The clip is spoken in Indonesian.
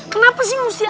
kenapa sih mustiakan